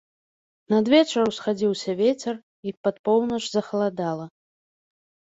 Надвечар усхадзіўся вецер, і пад поўнач захаладала.